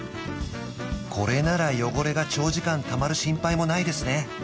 これなら汚れが長時間たまる心配もないですね